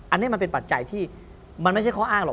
อันนี้มันเป็นปัจจัยที่มันไม่ใช่ข้ออ้างหรอก